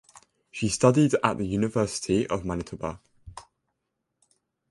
She studied at the University of Manitoba.